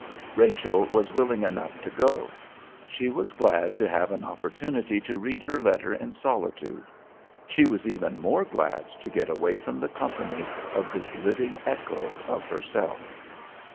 Rachel was willing enough to go. She was glad to have an opportunity to read her letter in solitude; she was even more glad to get away from the company of this living echo of herself.